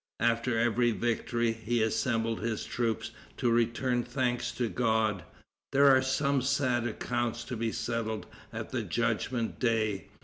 After every victory, he assembled his troops to return thanks to God. There are some sad accounts to be settled at the judgment day.